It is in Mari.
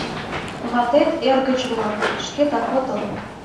Ватет, эргыч уло, шкетак отыл...